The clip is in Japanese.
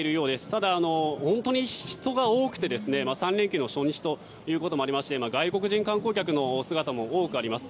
ただ、本当に人が多くて３連休の初日ということもあって外国人観光客の姿も多くあります。